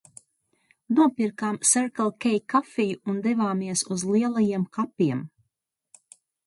Nopirkām Circle K kafiju un devāmies uz Lielajiem kapiem.